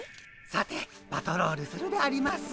さてパトロールするであります。